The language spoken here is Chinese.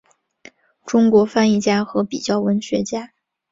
中国翻译家和比较文学家。